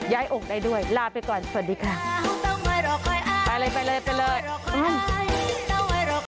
ย้ายองค์ได้ด้วยลาไปก่อนสวัสดีค่ะไปเลยไปเลยไปเลย